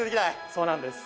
そうなんです